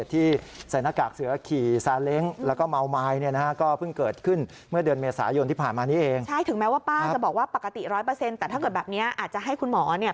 แต่ถ้าเกิดแบบนี้อาจจะให้คุณหมอเนี่ย